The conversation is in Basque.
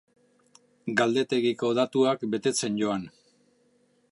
Galdetegiko datuak betetzen joan.